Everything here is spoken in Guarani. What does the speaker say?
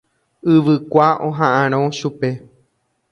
Yvykua oha'ãrõ chupe.